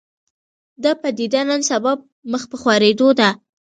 دا پدیده نن سبا مخ په خورېدو ده